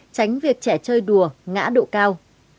tránh việc trẻ chơi đùa ngã độ cao